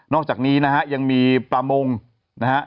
อกจากนี้นะฮะยังมีประมงนะฮะ